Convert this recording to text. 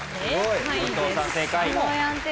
武藤さん正解！